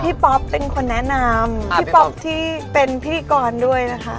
ป๊อปเป็นคนแนะนำพี่ป๊อปที่เป็นพิธีกรด้วยนะคะ